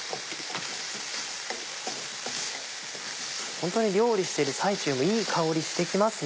ホントに料理してる最中もいい香りしてきますね。